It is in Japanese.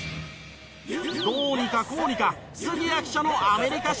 どうにかこうにか杉谷記者のアメリカ取材がスタート。